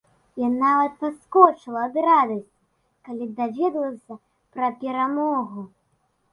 Я нават падскочыла ад радасці, калі даведалася пра перамогу!